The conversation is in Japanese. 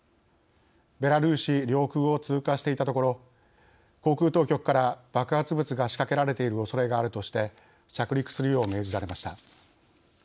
ベラルーシ領空を通過していたところ航空当局から爆発物がしかけられているおそれがあるとして着陸するよう命じられました。